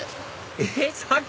えっ